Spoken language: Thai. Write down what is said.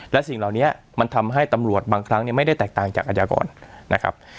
และสิ่งเหล่านี้มันทำให้ตำรวจบางครั้งไม่ได้แตกต่างจากอาญาก่อนนะครับ